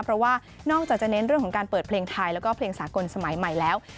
เพราะว่านอกจากจะเน้นเรื่องของการเปิดเพลงไทยแล้วก็เพลงสากลสมัยใหม่แล้ว